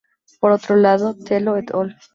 Por otro lado, Tello "et al".